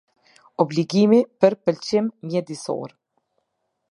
Obligimi për Pëlqim Mjedisor.